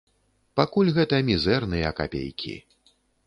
Пакуль гэта мізэрныя капейкі.